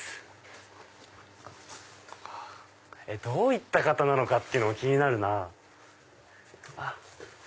どういった方なのかっていうのも気になるなぁ。